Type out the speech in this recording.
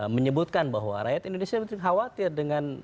menyebutkan bahwa rakyat indonesia khawatir dengan